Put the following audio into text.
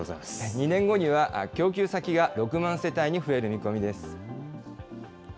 ２年後には供給先が６万世帯に増える見込みです。